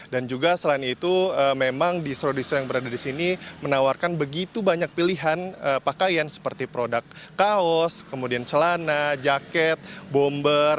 dan juga selain itu memang distro distro yang berada di sini menawarkan begitu banyak pilihan pakaian seperti produk kaos kemudian celana jaket bomber